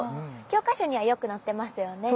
教科書にはよく載ってますよね。